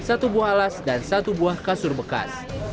alas dan satu buah kasur bekas